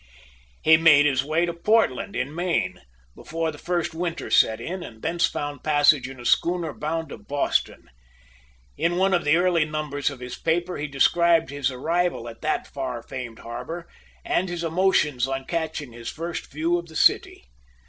He made his way to Portland, in Maine, before the first winter set in, and thence found passage in a schooner bound to Boston. In one of the early numbers of his paper he described his arrival at that far famed harbor, and his emotions on catching his first view of the city.